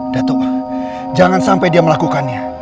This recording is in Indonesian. datua jangan sampai dia melakukannya